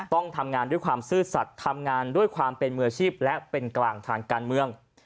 ต้องทำงานด้วยความซื่อสัตว์ทำงานด้วยความเป็นมืออาชีพและเป็นกลางทางการเมือง